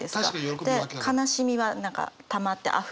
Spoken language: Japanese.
で「悲しみ」は何かたまって「あふれる」とか。